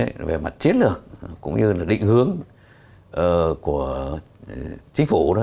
trước tiên về mặt chiến lược cũng như là định hướng của chính phủ